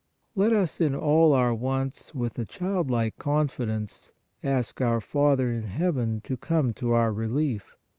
Let us in all our wants with a childlike confidence 126 PRAYER ask our Father in heaven to come to our relief.